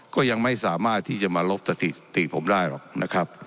ก็ยังไม่สามารถที่จะมาลบตะติดผมได้หรอก